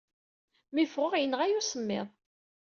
Mi ffɣeɣ, yenɣa-iyi usemmiḍ.